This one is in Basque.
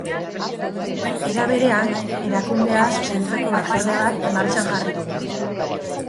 Era berean, erakundea zuzentzeko batzorde bat martxan jarri dute.